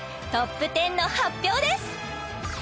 トップ１０の発表です